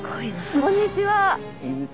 こんにちは。